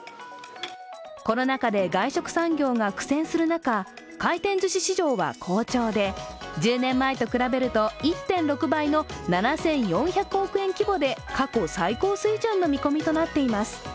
コロナ禍で外食産業が苦戦する中回転ずし市場は好調で１０年前と比べると１．６倍の７４００億円規模で過去最高水準の見込みとなっています。